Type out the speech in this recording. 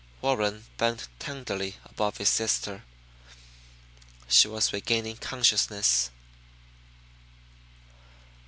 Warren bent tenderly above his sister. She was regaining consciousness.